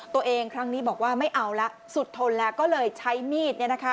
ตัวเองครั้งนี้บอกว่าไม่เอาละสุดทนแล้วก็เลยใช้มีด